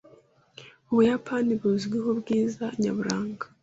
Ubuyapani buzwiho ubwiza nyaburanga.